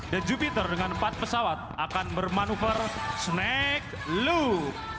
the jupiter dengan empat pesawat akan bermanufa snake loop